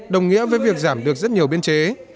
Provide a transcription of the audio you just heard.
đồng nghĩa với việc giảm được rất nhiều biên chế